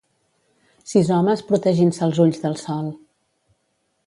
Sis homes protegint-se els ulls del sol